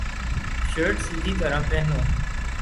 shirt سیدھی طرح پہنو